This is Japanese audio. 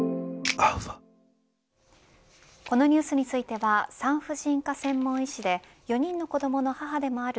このニュースについては産婦人科専門医師で４人の子どもの母でもある。